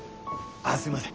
ああすいません。